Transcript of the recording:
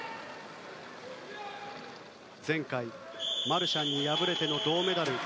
前回マルシャンに敗れての銅メダル。